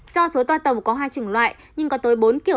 cho số toa tàu có hai trường loại nhưng có tới bốn kiểu